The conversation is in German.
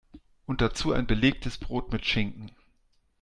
Und dazu ein belegtes Brot mit Schinken.